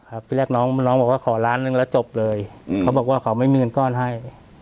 ที่แรกน้องน้องบอกว่าขอล้านหนึ่งแล้วจบเลยอืมเขาบอกว่าเขาไม่มีเงินก้อนให้